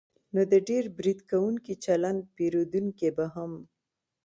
نو د ډېر برید کوونکي چلند پېرودونکی به هم